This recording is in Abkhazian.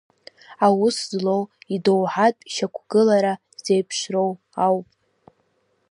Аус злоу идоуҳатә шьақәгылара зеиԥшроу ауп.